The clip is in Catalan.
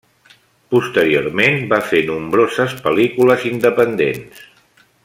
Posteriorment va fer nombroses pel·lícules independents.